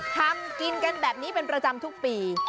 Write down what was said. ทำกินกันแบบนี้เป็นประจำทุกปี